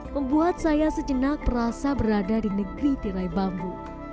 membuat saya sejenak merasa berada di negeri tirai bambu